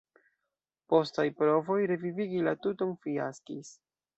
Postaj provoj revivigi la tuton fiaskis.